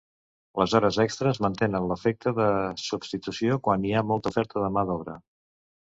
Les hores extres mantenen l'efecte de substitució quan hi ha molta oferta de mà d'obra.